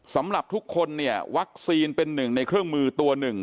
สำหรับทุกคนเนี่ยวัคซีนเป็นหนึ่งในเครื่องมือตัวหนึ่ง